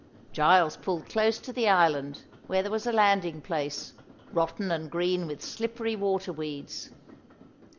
Giles pulled close to the island, where there was a landing place, rotten and green with slippery water weeds.